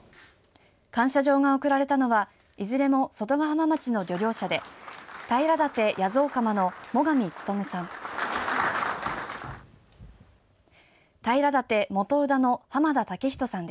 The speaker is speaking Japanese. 感謝状が贈られたのはいずれも外ヶ浜町の漁業者で平舘弥蔵釜の最上勉さん。